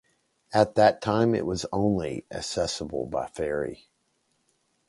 At that time it was only accessible by ferry.